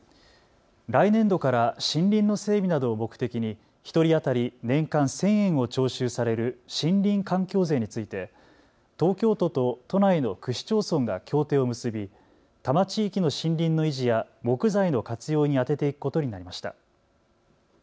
来年度から森林の整備などを目的に１人当たり年間１０００円を徴収される森林環境税について東京都と都内の区市町村が協定を結び、多摩地域の森林の維持や木材の活用に充てていくことになりました。